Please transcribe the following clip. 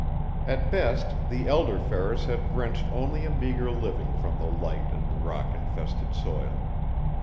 At best the elder Ferris had wrenched only a meager living from the light and rock infested soil.